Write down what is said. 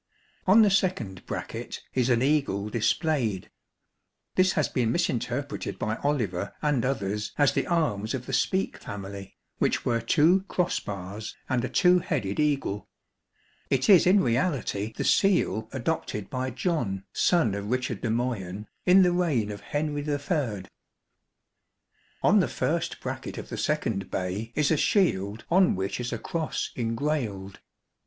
On the second bracket is an eagle displayed. This has been misinterpreted by Oliver and others as the arms of the Speke family, which were two cross bars and a two headed 41 eagle ; it is in reality the seal adopted by John> son of Richard de Moyon, in the reign of Henry III. On the first bracket of the second bay is a shield on which is a cross engrailed.